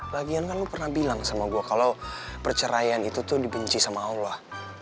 lagian kan lu pernah bilang sama gue kalau perceraian itu tuh dibenci sama allah